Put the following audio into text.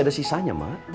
ada sisanya mah